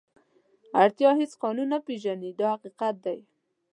اړتیا هېڅ قانون نه پېژني دا حقیقت دی.